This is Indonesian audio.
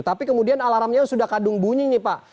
tapi kemudian alarmnya sudah kadung bunyi nih pak